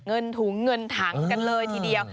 เงินถุงเงินถังกันเลยทีเดียว